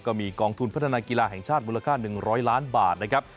ก็มีกองทุนพัฒนากีฬาแห่งชาติมูลค่า๑๐๐ล้านบาทนะครับ